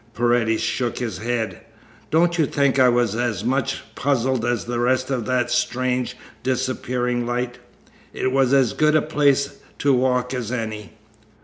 Paredes shook his head. "Don't you think I was as much puzzled as the rest by that strange, disappearing light? It was as good a place to walk as any."